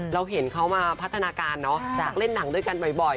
เราเห็นเขามาพัฒนาการเนอะจากเล่นหนังด้วยกันบ่อย